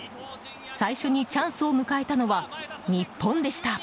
最初にチャンスを迎えたのは日本でした。